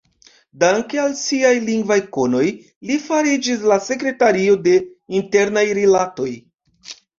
Danke al siaj lingvaj konoj, li fariĝis la sekretario de Internaj Rilatoj.